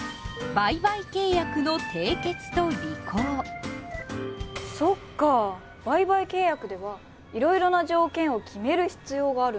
売買契約ではいろいろな条件を決める必要があるんだ。